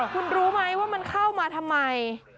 คุณรู้ไหมว่ามันเข้ามาทำไม